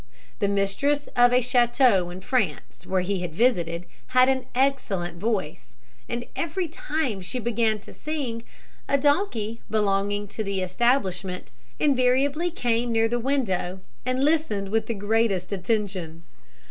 The mistress of a chateau in France where he visited had an excellent voice, and every time she began to sing, a donkey belonging to the establishment invariably came near the window, and listened with the greatest attention.